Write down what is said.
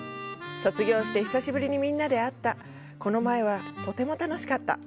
卒業して、久しぶりにみんなで会ったこの前はとても楽しかった。